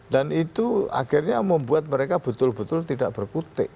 dan itu akhirnya membuat mereka betul betul tidak berkutik